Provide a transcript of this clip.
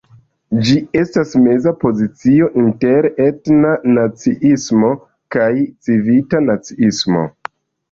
Ĝi estas meza pozicio inter etna naciismo kaj civita naciismo.